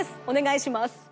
おねがいします！